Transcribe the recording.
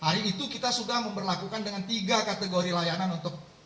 hari itu kita sudah memperlakukan dengan tiga kategori layanan untuk